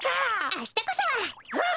あしたこそはっ！